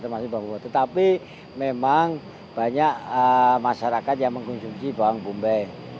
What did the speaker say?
tetapi memang banyak masyarakat yang mengkonsumsi bawang bombay